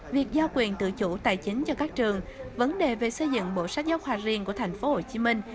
việc giao quyền tự chủ tài chính cho các trường vấn đề về xây dựng bộ sách giáo khoa riêng của thành phố hồ chí minh